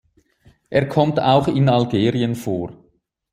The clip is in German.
Er kommt auch in Algerien vor.